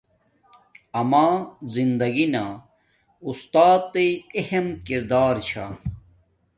آما زندگی نا اُُستاتݵ اہم کردار چھا